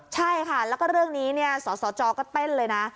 ใช่ค่ะแล้วก็เรื่องนี้สสจก็เต้นเลยนะ